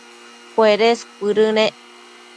cuedes cuëdënec